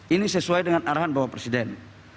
ini sesuai dengan arahan bapak presiden